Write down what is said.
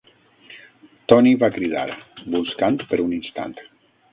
Tony va cridar, buscant per un instant.